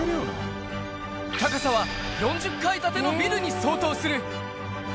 高さは４０階建てのビルに相当する。